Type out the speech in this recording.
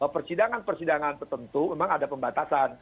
persidangan persidangan tertentu memang ada pembatasan